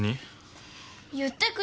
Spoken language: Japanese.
言ってくれよ俺。